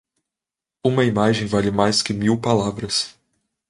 Uma imagem vale mais que mil palavras.